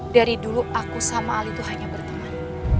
dari dulu aku sama ali itu hanya berteman